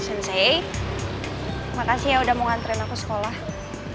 sensei makasih ya udah mau ngantriin aku sekolah